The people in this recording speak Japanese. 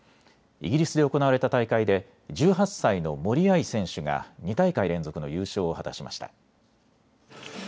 イギリスで行われた大会で１８歳の森秋彩選手が２大会連続の優勝を果たしました。